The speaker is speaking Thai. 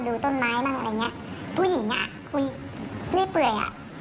ดูต้นไม้บ้างอะไรเงี้ยผู้หญิงอย่างเงี้ยคุยเรียบเปื่อยอ่ะ